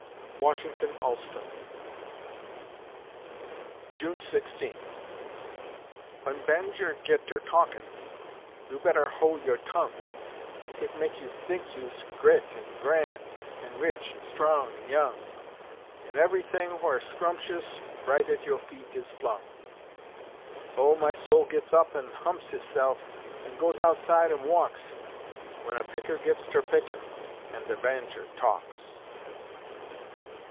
WASHINGTON ALLSTON June Sixteenth W'en banjer git ter talkin' You better hol' yo' tongue, Hit mek you think youse gre't an' gran' An' rich an' strong an' young, An' ev'rything whar scrumpshus Right at yo' feet is flung. Oh, my soul gits up an' humps hisse'f An' goes outside an' walks, W'en a picker gits ter pickin' An' de banjer talks!